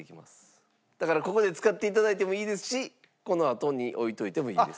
だからここで使って頂いてもいいですしこのあとに置いといてもいいです。